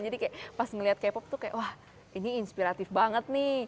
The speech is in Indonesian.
jadi kayak pas ngeliat k pop tuh kayak wah ini inspiratif banget nih